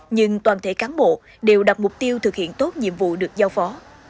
nhưng toàn thể cán bộ đều đặt mục tiêu thực hiện tốt nhiệm vụ được giao phó